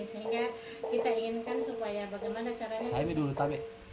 sehingga kita inginkan supaya bagaimana caranya